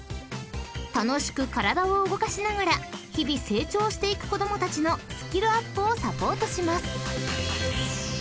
［楽しく体を動かしながら日々成長していく子供たちのスキルアップをサポートします］